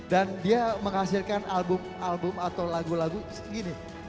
dan dia menghasilkan album atau lagu lagu gini